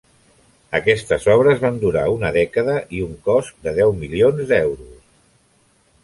Aquestes obres van durar una dècada i un cost de deu milions d'euros.